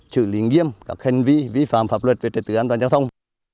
trữ lý nghiêm các hành vi vi phạm pháp luật về trật tứ an toàn giao thông